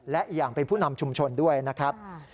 และอย่างเป็นผู้นำชุมชนด้วยนะครับ